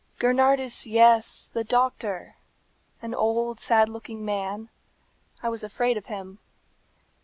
"Gernardus, yes, the doctor. An old, sad looking man. I was afraid of him.